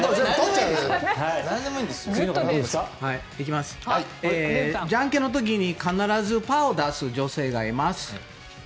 じゃんけんの時に必ずパーを出す女性がいます。